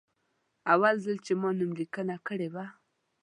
اول ځل چې ما نوملیکنه کړې وه.